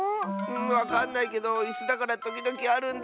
わかんないけどいすだからときどきあるんだ。